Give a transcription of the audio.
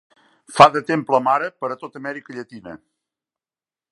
Fa de temple mare per a tot Amèrica Llatina.